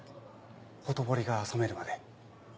ほとぼりが冷めるまで。